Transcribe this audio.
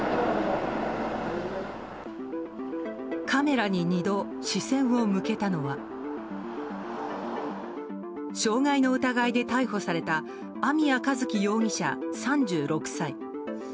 カメラに２度視線を向けたのは傷害の疑いで逮捕された網谷一希容疑者、３６歳。